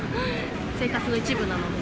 生活の一部なので。